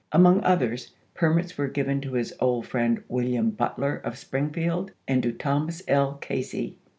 Among others permits were given to his old friend William Butler of Springfield and to Thomas L. Casey.